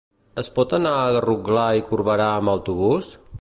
Es pot anar a Rotglà i Corberà amb autobús?